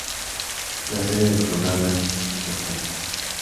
La sede del condado es Carthage.